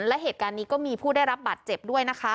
และเหตุการณ์นี้ก็มีผู้ได้รับบัตรเจ็บด้วยนะคะ